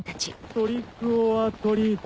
トリックオアトリート。